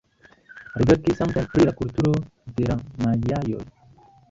Li verkis samtempe pri la kulturo de la majaoj.